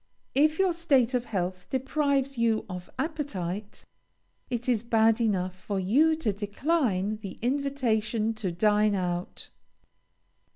If your state of health deprives you of appetite, it is bad enough for you to decline the invitation to dine out.